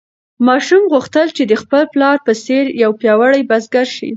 ماشوم غوښتل چې د خپل پلار په څېر یو پیاوړی بزګر شي.